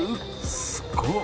「すごっ！」